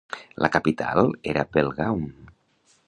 La capital era Belgaum.